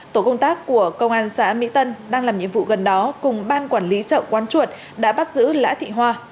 tổ công tác của công an xã mỹ tân đang làm nhiệm vụ gần đó cùng ban quản lý chợ quán chuột đã bắt giữ lã thị hoa